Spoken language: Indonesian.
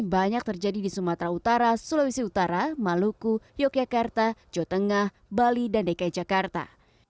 daging anjing terjadi di sumatera utara sulawesi utara maluku yogyakarta jotengah bali dan dki jakarta